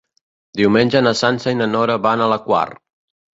Diumenge na Sança i na Nora van a la Quar.